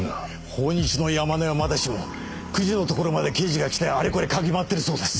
豊日の山根はまだしも久慈のところまで刑事が来てあれこれ嗅ぎ回ってるそうです。